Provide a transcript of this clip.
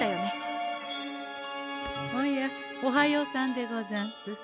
おやおはようさんでござんす。